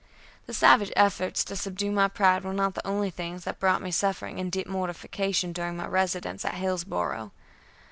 The savage efforts to subdue my pride were not the only things that brought me suffering and deep mortification during my residence at Hillsboro'.